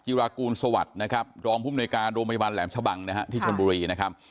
จิรากูลสวัสดิ์รองภูมิหน่วยการโรงพยาบาลแหลมชะบังที่ชนบุรี